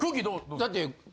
だって。